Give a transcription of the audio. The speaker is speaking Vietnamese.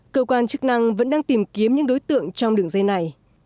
cơ quan chức năng vẫn đang tìm kiếm những đối tượng trong đường dây này